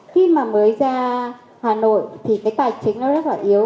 khi mà mới ra hà nội thì cái tài chính nó rất là yếu